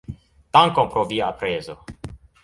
Dankon pro via aprezo.